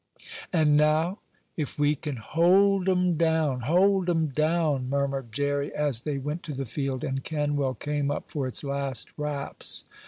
"And now if we can hold 'em down hold 'em down!" murmured Jerry as they went to the field, and Kenwell came up for its last raps.